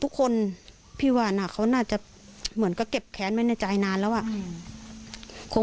แต่ก็ไม่คิดเลยว่าทำไมต้องมาไล่ฆ่าคนอื่นฆ่าพ่อตาฆ่าแม่ยายแบบนี้มาก่อน